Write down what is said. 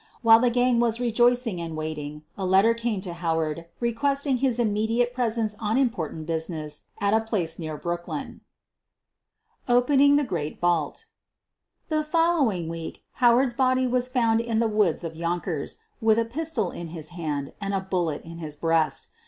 While the gang was rejoicing and waiting, a letter came to Howard requesting his immediate presence on important business at a place near Brooklyn. OPENING THE GREAT VAULT The following week Howard's body was foiand in the woods of Yonkers, with a pistol in his hand and a bullet in his breast.